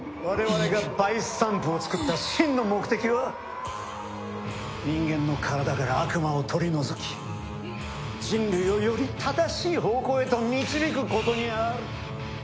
我々がバイスタンプをつくった真の目的は人間の体から悪魔を取り除き人類をより正しい方向へと導くことにある。